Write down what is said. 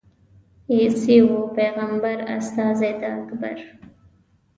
عیسی وو پېغمبر استازی د اکبر.